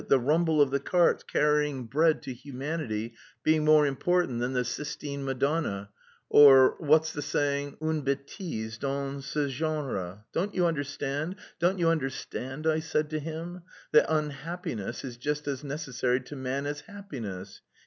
the rumble of the carts carrying bread to humanity being more important than the Sistine Madonna, or, what's the saying?... une bêtise dans ce genre. Don't you understand, don't you understand,' I said to him, 'that unhappiness is just as necessary to man as happiness.'